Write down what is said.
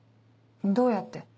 どうやって？